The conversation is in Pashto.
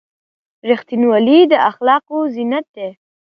• رښتینولي د اخلاقو زینت دی.